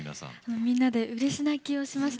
みんなでうれし泣きをしました。